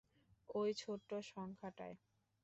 ঐ ছোট্ট সংখ্যাটায়।